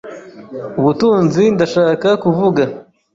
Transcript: ubutunzi, ndashaka kuvuga.